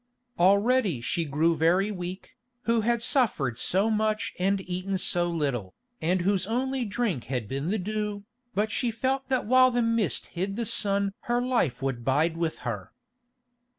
Already she grew very weak, who had suffered so much and eaten so little, and whose only drink had been the dew, but she felt that while the mist hid the sun her life would bide with her.